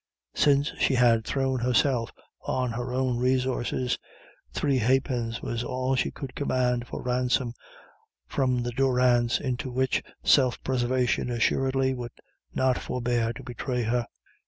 Since she had thrown herself on her own resources, three ha'pence was all she could command for ransom from the durance into which self preservation assuredly would not forbear to betray her.